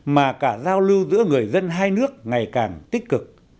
mà cả giao lưu giữa người dân hai nước ngày càng tích cực